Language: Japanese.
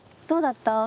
どうだった？